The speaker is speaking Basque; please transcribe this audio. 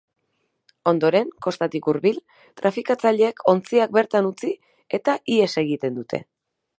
Ondoren, kostatik hurbil, trafikatzaileek ontziak bertan utzi eta ihes egiten dute.